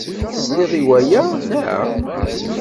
Tesliḍ i waya, naɣ?